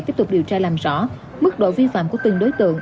tiếp tục điều tra làm rõ mức độ vi phạm của từng đối tượng